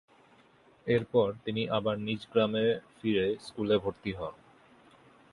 এরপর তিনি আবার নিজ গ্রামে ফিরে স্কুলে ভর্তি হন।